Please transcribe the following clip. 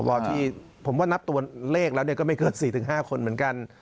ซอฟร์หน้าเดิมสอฟร์หน้าเดิมก็จะไม่เกิน๔๕คน